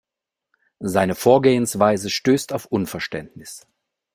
Seine Vorgehensweise stößt auf Unverständnis.